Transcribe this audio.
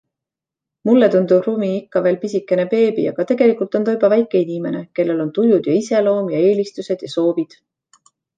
Mulle tundub Rumi ikka veel pisikene beebi, aga tegelikult on ta juba väike inimene, kellel on tujud ja iseloom ja eelistused ja soovid.